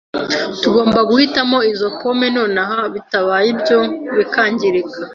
Tugomba guhitamo izo pome nonaha, bitabaye ibyo zikangirika.